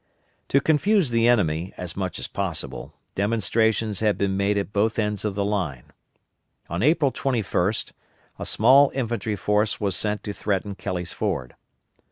To confuse the enemy as much as possible, demonstrations had been made at both ends of the line. On April 21st a small infantry force was sent to threaten Kelly's Ford.